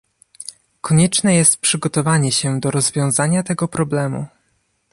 Konieczne jest przygotowanie się do rozwiązania tego problemu